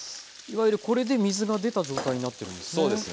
いわゆるこれで水が出た状態になってるんですね。